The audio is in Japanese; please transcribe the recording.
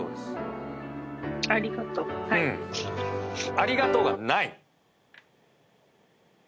「ありがとう」はい。